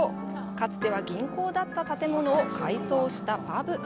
かつては銀行だった建物を改装したパブ。